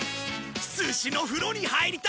すしの風呂に入りたい！